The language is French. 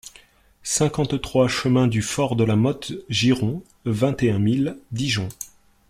cinquante-trois chemin du Fort de la Motte Giron, vingt et un mille Dijon